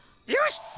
よし！